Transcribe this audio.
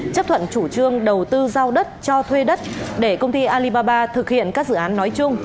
chấp thuận chủ trương đầu tư giao đất cho thuê đất để công ty alibaba thực hiện các dự án nói chung